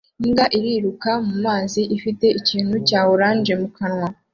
Imbwa iriruka mu mazi ifite ikintu cya orange mu kanwa